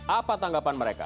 apa tanggapan mereka